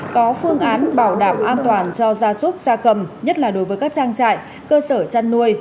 có phương án bảo đảm an toàn cho gia súc gia cầm nhất là đối với các trang trại cơ sở chăn nuôi